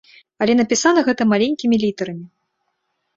Але напісана гэта маленькімі літарамі.